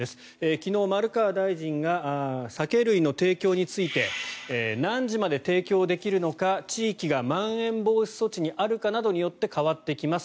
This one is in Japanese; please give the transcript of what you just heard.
昨日、丸川大臣が酒類の提供について何時まで提供できるのか地域がまん延防止措置にあるかなどによって変わってきます。